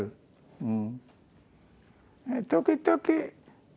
うん。